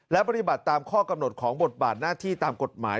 และปฏิบัติตามข้อกำหนดของบทบาทหน้าที่ตามกฎหมาย